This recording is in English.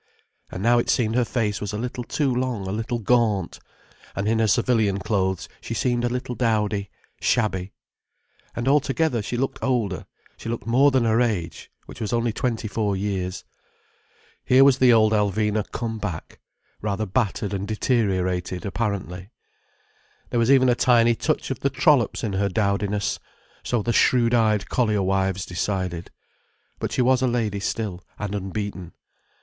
And now it seemed her face was a little too long, a little gaunt. And in her civilian clothes she seemed a little dowdy, shabby. And altogether, she looked older: she looked more than her age, which was only twenty four years. Here was the old Alvina come back, rather battered and deteriorated, apparently. There was even a tiny touch of the trollops in her dowdiness—so the shrewd eyed collier wives decided. But she was a lady still, and unbeaten.